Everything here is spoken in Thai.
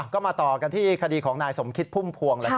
ก็มาต่อกันที่คดีของนายสมคิดพุ่มพวง